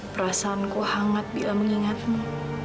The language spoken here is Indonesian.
perasaanku hangat bila mengingatmu